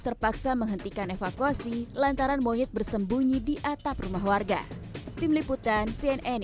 terpaksa menghentikan evakuasi lantaran monyet bersembunyi di atap rumah warga tim liputan cnn